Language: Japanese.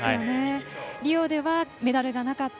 リオではメダルがなかった。